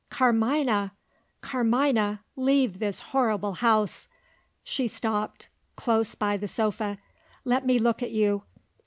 Carmina! Carmina! leave this horrible house!" She stopped, close by the sofa. "Let me look at you.